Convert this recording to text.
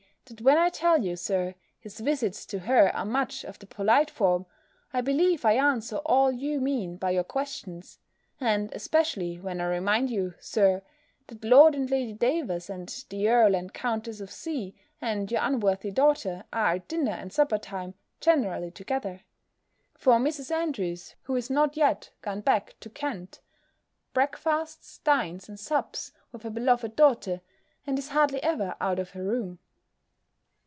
that when I tell you, Sir, his visits to her are much of the polite form, I believe I answer all you mean by your questions; and especially when I remind you, Sir, that Lord and Lady Davers, and the Earl and Countess of C. and your unworthy daughter, are at dinner and supper time generally together; for Mrs. Andrews, who is not yet gone back to Kent, breakfasts, dines, and sups with her beloved daughter, and is hardly ever out of her room.